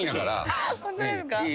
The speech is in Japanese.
ホントですか？